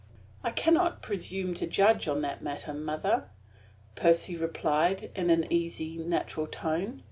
"I can not presume to judge of that matter, mother," Percy replied, in an easy, natural tone.